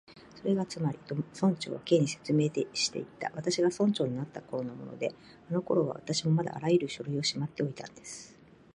「それがつまり」と、村長は Ｋ に説明していった「私が村長になったころのもので、あのころは私もまだあらゆる書類をしまっておいたんです」